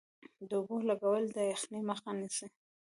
د اوبو لګول د یخنۍ مخه نیسي؟